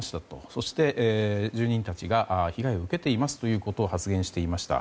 そして住民たちが被害を受けていますと発言していました。